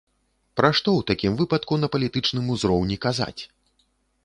Пра што ў такім выпадку на палітычным узроўні казаць?